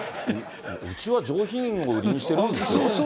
うちは上品を売りにしてるんですよ。